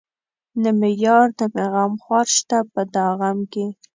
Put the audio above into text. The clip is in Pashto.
نه مې يار نه مې غمخوار شته په دا غم کې